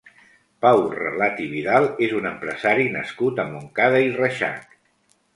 Pau Relat i Vidal és un empresari nascut a Montcada i Reixac.